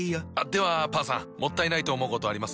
ではパンさんもったいないと思うことあります？